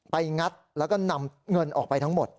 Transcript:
งัดแล้วก็นำเงินออกไปทั้งหมด